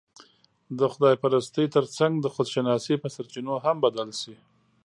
د خدا پرستۍ تر څنګ، د خودشناسۍ په سرچينو هم بدل شي